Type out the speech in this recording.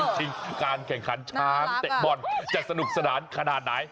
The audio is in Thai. ชิงการแข่งขันช้างเตะบอลจะสนุกสนานขนาดไหน